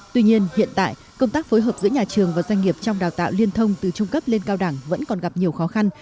tuy nhiên hiện tại công tác phối hợp giữa nhà trường và doanh nghiệp trong đào tạo liên thông từ trung cấp lên cao đẳng vẫn còn gặp nhiều khó khăn